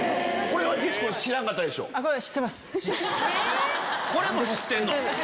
これも知ってんの？